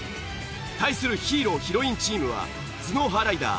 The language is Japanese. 対するヒーローヒロインチームは頭脳派ライダー